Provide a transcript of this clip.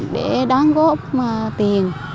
để đáng góp tiền